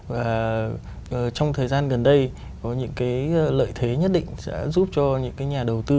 và trong thời gian gần đây có những lợi thế nhất định sẽ giúp cho những nhà đầu tư